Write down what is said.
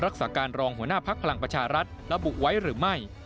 รักษาการรองหัวหน้าภักดิ์พลังประชารัฐระบุไว้หรือไม่